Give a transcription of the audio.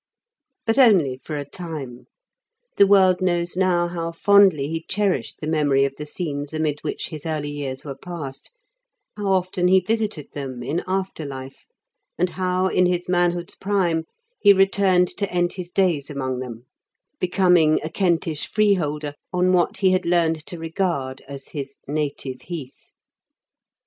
But only for a time. The world knows now how fondly he cherished the memory of the scenes amid which his early years were passed, how often he visited them in after life, and how, in his manhood's prime, he returned to end his days among them, becoming "a Kentish freeholder" on what he had learned to regard as his " native heath."